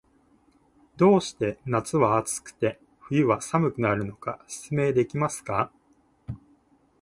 どうして夏は暑くて、冬は寒くなるのか、説明できますか？